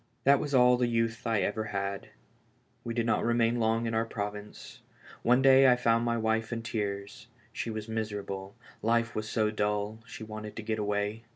That was all the youth I ever had. We did not ALIVE IN DEATH. 245 remain long in onr province. One day I found my wife in tears. Slie was miserable, life was so dull, she wanted to get away.